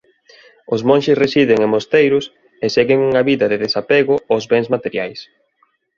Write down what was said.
Os monxes residen en mosteiros e seguen unha vida de desapego aos bens materiais.